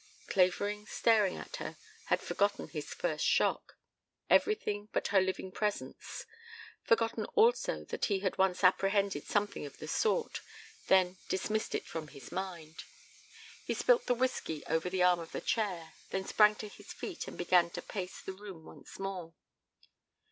Clavering, staring at her, had forgotten his first shock, everything but her living presence; forgotten also that he had once apprehended something of the sort, then dismissed it from his mind. He spilt the whiskey over the arm of the chair, then sprang to his feet and began to pace the room once more.